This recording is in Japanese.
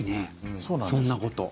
そんなこと。